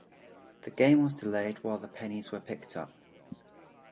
The game was delayed while the pennies were picked up.